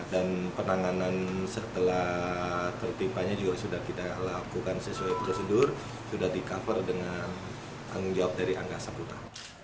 dan penanganan setelah tertimpanya juga sudah kita lakukan sesuai prosedur sudah di cover dengan tanggung jawab dari angkasa pura